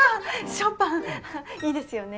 ショパンいいですよね。